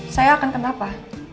saya akan kenapa